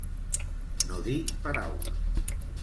No dir paraula.